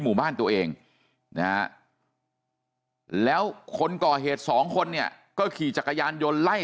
หมู่บ้านตัวเองนะฮะแล้วคนก่อเหตุสองคนเนี่ยก็ขี่จักรยานยนต์ไล่